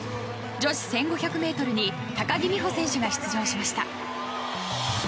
女子１５００ｍに高木美帆選手が出場しました。